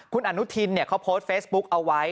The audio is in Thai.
คุณอนุทินเขาโพสต์เฟซบุ๊กเอาไว้